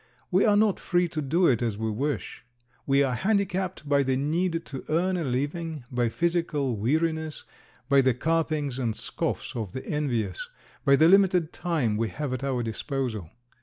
We are not free to do it as we wish. We are handicapped by the need to earn a living, by physical weariness, by the carpings and scoffs of the envious, by the limited time we have at our disposal.